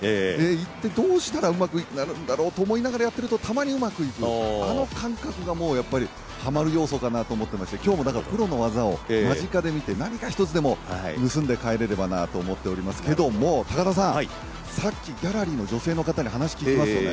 一体どうしたらうまくなるんだろうっていうのがあって、たまにうまくいく、あの感覚がハマる要素かなと思ってまして今日はプロの技を何か一つでも盗んで帰れればなと思っておりますけども、さっきギャラリーの女性の方に話を聞きますとね